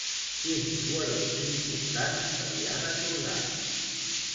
Quins guardons importants se li han atorgat?